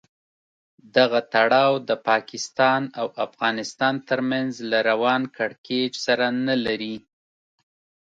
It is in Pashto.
دغه تړاو د پاکستان او افغانستان تر منځ له روان کړکېچ سره نه لري.